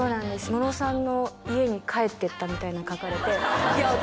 ムロさんの家に帰ってったみたいな書かれていや私